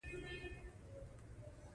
میرمن هیج هاګ په سړه سینه ځواب ورکړ چې نه